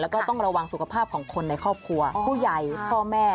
แล้วก็ต้องระวังสุขภาพของคนในครอบครัวผู้ใหญ่พ่อแม่